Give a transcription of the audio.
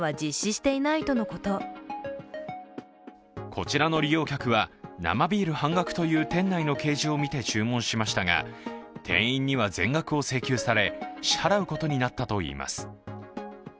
こちらの利用客は生ビール半額という店内の掲示を見て注文しましたが店員には全額を請求され支払うことになったといいます。